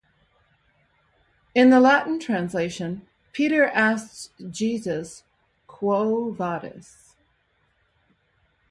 In the Latin translation, Peter asks Jesus, Quo vadis?